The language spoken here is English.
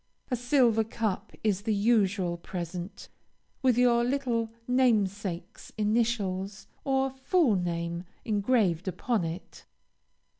A silver cup is the usual present, with your little namesake's initials, or full name, engraved upon it.